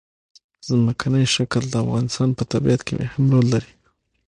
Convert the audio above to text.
ځمکنی شکل د افغانستان په طبیعت کې مهم رول لري.